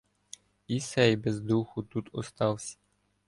І сей без духу тут оставсь.